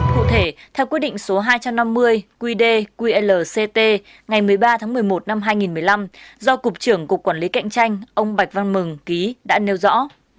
cụ thể theo quyết định số hai trăm năm mươi qd qlct ngày một mươi ba tháng một mươi một năm hai nghìn một mươi năm do cục trưởng cục quản lý cạnh tranh ông bạch văn mừng ký đã nêu rõ